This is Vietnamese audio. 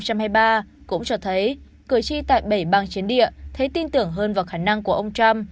cũng cho thấy cử tri tại bảy bang chiến địa thấy tin tưởng hơn vào khả năng của ông trump